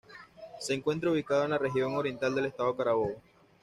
Se encuentra ubicado en la "Región Oriental" del Estado Carabobo.